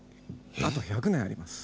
あと１００年あります。